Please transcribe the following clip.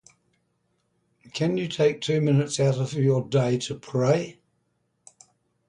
You can take two minutes out of your day to pray.